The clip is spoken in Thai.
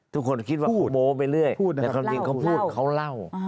ทุกคนคิดว่าโมไปเรื่อยแต่ความจริงเขาพูดเขาเล่า